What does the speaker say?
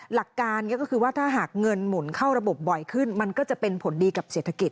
หลักการก็คือว่าถ้าหากเงินหมุนเข้าระบบบ่อยขึ้นมันก็จะเป็นผลดีกับเศรษฐกิจ